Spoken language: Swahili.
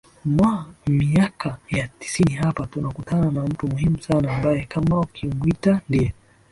mwa miaka ya tisini Hapa tunakutana na mtu muhimu sana ambaye kama ukimuita ndiye